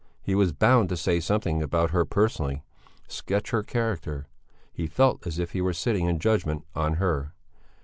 He was bound to say something about her personally, sketch her character; he felt as if he were sitting in judgment on her.